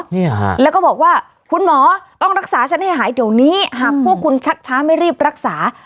เนี่ยฮะแล้วก็บอกว่าคุณหมอต้องรักษาฉันให้หายเดี๋ยวนี้หากพวกคุณชักช้าไม่รีบรักษา